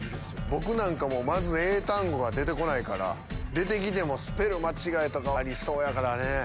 僕なんかまず英単語が出て来ないから出て来てもスペル間違いとかありそうやからね。